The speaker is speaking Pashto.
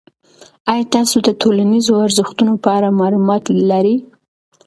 آیا تاسو د ټولنیزو ارزښتونو په اړه معلومات لرئ؟